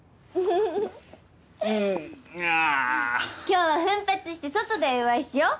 今日は奮発して外でお祝いしよう！